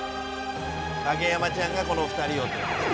影山ちゃんがこの２人を。